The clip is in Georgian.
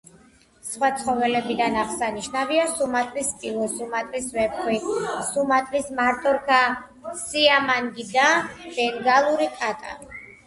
სხვა ცხოველებიდან აღსანიშნავია: სუმატრის სპილო, სუმატრის ვეფხვი, სუმატრის მარტორქა, სიამანგი და ბენგალური კატა.